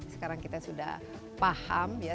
sekarang kita sudah paham ya